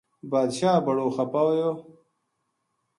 باد شاہ بڑو خپا ہویو